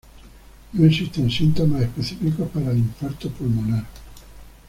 No existen síntomas específicos para el infarto pulmonar.